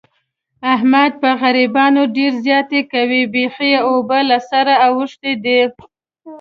احمد په غریبانو ډېر زیاتی کوي. بیخي یې اوبه له سره اوښتې دي.